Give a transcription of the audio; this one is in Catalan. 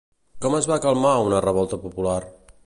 Com es va calmar una revolta popular?